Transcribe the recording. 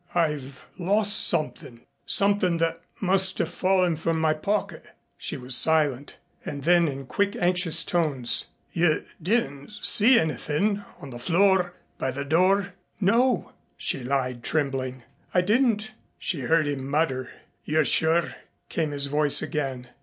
"I've lost something something that must have fallen from my pocket." She was silent. And then in quick anxious tones: "You didn't see anythin' on the floor by the door?" "No," she lied, trembling. "I didn't." She heard him mutter. "You're sure?" came his voice again.